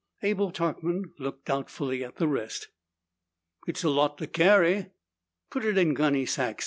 Abel Tarkman looked doubtfully at the rest. "It's a lot to carry." "Put it in gunny sacks.